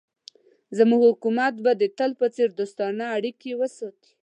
زموږ حکومت به د تل په څېر دوستانه اړیکې وساتي.